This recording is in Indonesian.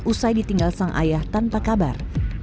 usai ditinggal sang ayah tanpa kabar